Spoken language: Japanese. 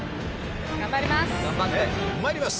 頑張ります！